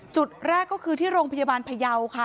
จุดแรกก็คือที่โรงพยาบาลพยาวค่ะ